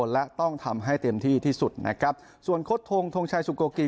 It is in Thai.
และต้องทำให้เต็มที่ที่สุดนะครับส่วนโค้ดทงทงชัยสุโกกิ